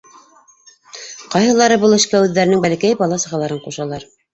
Ҡайһылары был эшкә үҙҙәренең бәләкәй бала-сағаларын ҡушалар.